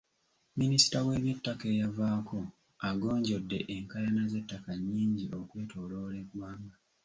Minisita w'ebyettaka eyavaako agonjodde enkaayana z'ettaka nnyingi okwetooloola eggwanga.